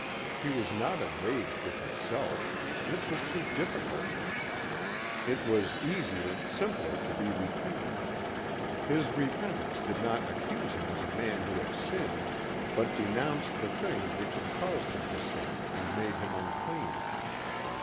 He was not enraged with himself. This was too difficult. It was easier, simpler to be repentant. His repentance did not accuse him as a man who had sinned but denounced the things which had caused him to sin and made him unclean.